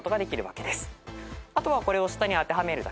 あとはこれを下に当てはめるだけ。